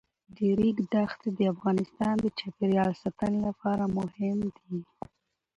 د ریګ دښتې د افغانستان د چاپیریال ساتنې لپاره مهم دي.